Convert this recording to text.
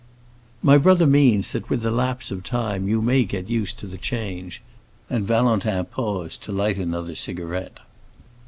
"My brother means that with the lapse of time you may get used to the change"—and Valentin paused, to light another cigarette.